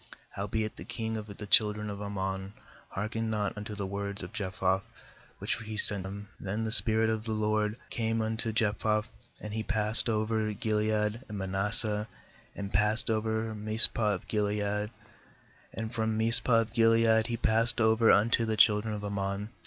28Howbeit the king of the children of Amrnon heark ened not unto the words of Jephthah which he sent him. 29Then the spirit of the LORD came upon Jephthah, and he passed over Gilead and Manasseh, and passed over Mizpeh of Gilead, and from Mizpeh of Gilead he passed over un to the children of Aram on.